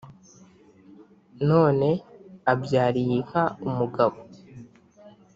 none abyariye inka umugabo.